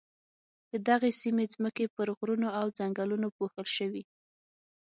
د دغې سیمې ځمکې پر غرونو او ځنګلونو پوښل شوې.